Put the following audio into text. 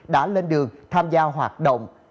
đã lên đường tham gia hoạt động